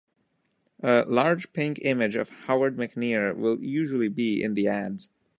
A large pink image of Howard McNear will usually be in the ads.